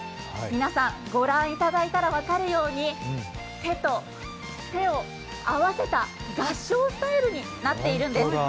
皆さん、御覧いただいたら分かるように、手と手を合わせた合掌スタイルになっているんです